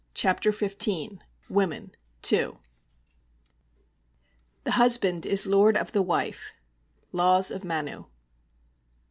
CHAPTER XV WOMEN II 'The husband is lord of the wife.' _Laws of Manu.